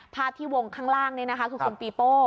ภาพวงศ์ข้างล่างคือคนปีโป้